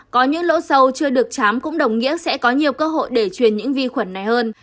có những lỗ sâu chưa được chám cũng đồng nghĩa sẽ có nhiều cơ hội để truyền những vi khuẩn này hơn